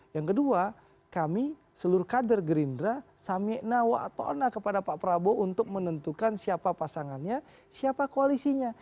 yang kedua kami seluruh kader gerindra samikna wa atona kepada pak prabowo untuk menentukan siapa pasangannya siapa koalisinya